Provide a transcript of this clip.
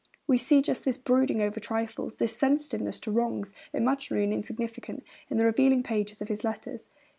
We see just this brooding over trifles, this sensitiveness to wrongs, imaginary or insignificant, in the revealing pages of his letters.